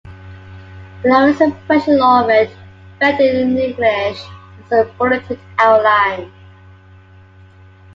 Below is a version of it rendered in English as a bulleted outline.